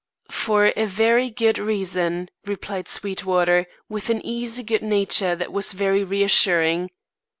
"For a very good reason," replied Sweetwater, with an easy good nature that was very reassuring.